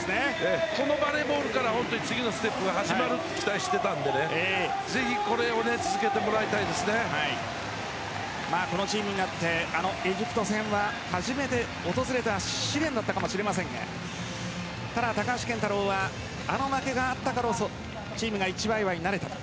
このバレーボールから次のステップが始まると期待していたのでぜひこのチームになってエジプト戦は初めて訪れた試練だったかもしれませんがただ、高橋健太郎はあの負けがあったからこそチームが一枚岩になれたと。